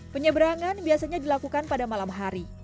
penyeberangan biasanya dilakukan pada malam hari